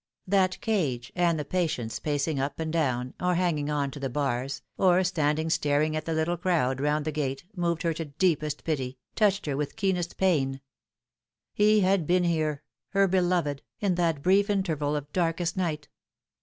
That cage, and the patients pacing up and down, or hanging on to the bars, or standing staring at the little crowd round the gate, moved her to deepest pity, touched her with keenest pain. He had been here, her beloved, in that brief interval of darkest night.